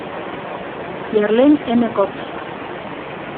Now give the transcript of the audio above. Y Arlene M. Cox.